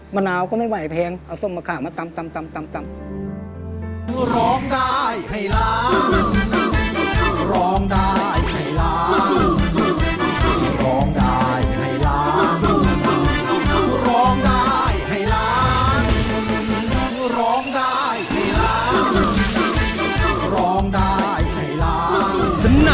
มะนาวก็ไม่ไหวแพงเอาส้มมะขามมาตำ